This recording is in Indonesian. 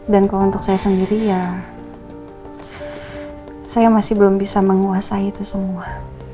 dan kalau untuk saya sendiri ya saya masih belum bisa menguasai itu semua